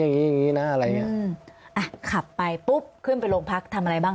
อย่างงี้อย่างงี้นะอะไรอย่างเงี้ยอืมอ่ะขับไปปุ๊บขึ้นไปโรงพักทำอะไรบ้าง